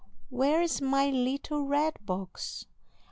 "Where's my little red box?